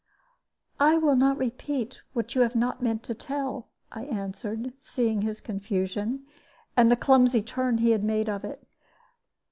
"I will not repeat what you have not meant to tell," I answered, seeing his confusion, and the clumsy turn he had made of it.